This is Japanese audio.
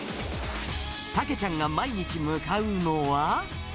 たけちゃんが毎日向かうのは。